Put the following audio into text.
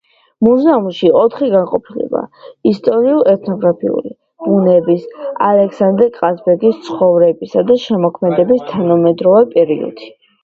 მუზეუმში ოთხი განყოფილებაა: ისტორიულ-ეთნოგრაფიული, ბუნების, ალექსანდრე ყაზბეგის ცხოვრებისა და შემოქმედების, თანამედროვე პერიოდი.